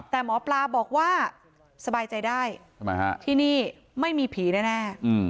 แต่หมอปลาบอกว่าสบายใจได้ที่นี่ไม่มีผีแน่